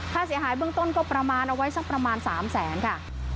ค่าเสียหายเบื้องต้นก็ประมาณเอาไว้สักประมาณ๓แสนค่ะ